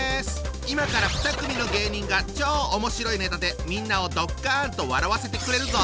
今から２組の芸人が超おもしろいネタでみんなをドッカンと笑わせてくれるぞ！